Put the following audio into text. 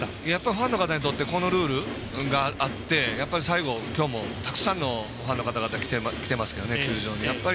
ファンの方にとってこのルールがあって、最後今日もたくさんのファンの方々が来てますよね、球場に。